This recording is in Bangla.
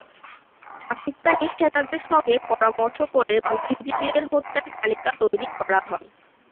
পাকিস্তানি সেনাদের সঙ্গে পরামর্শ করে বুদ্ধিজীবীদের হত্যার তালিকা তৈরি করা হয়।